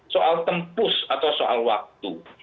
soal tempus atau soal waktu